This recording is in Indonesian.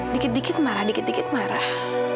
dikit dikit marah dikit dikit marah